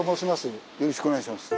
よろしくお願いします。